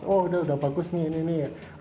oh udah bagus nih ini nih